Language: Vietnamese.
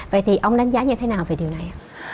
vậy thì ông đánh giá như thế nào về điều này ạ